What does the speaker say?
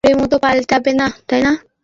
পরে মত পাল্টাবে না, তাই না?